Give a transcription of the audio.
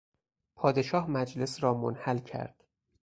پادشاه مجلس را منحل کرد.